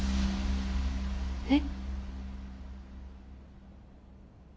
えっ！？